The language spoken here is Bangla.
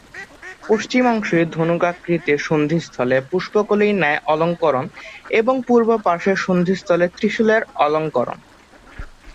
পশ্চিম অংশে ধনুকাকৃতির সন্ধিস্থলে পুষ্পকলির ন্যায় অলঙ্করণ এবং পূর্ব পার্শ্বের সন্ধিস্থলে ত্রিশুলের অলঙ্করণ।